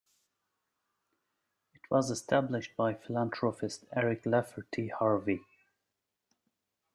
It was established by philanthropist Eric Lafferty Harvie.